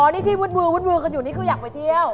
อ๋อนี่ที่วึดเบือวึดเบือคนอยู่คืออยากไปเที่ยว